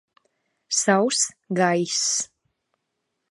Sauss gaiss.